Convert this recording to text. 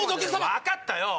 分かったよ！